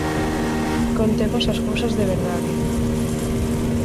Contemos as cousas de verdade.